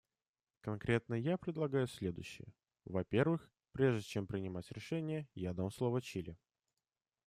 Конкретно я предлагаю следующее: во-первых, прежде чем принимать решение, я дам слово Чили.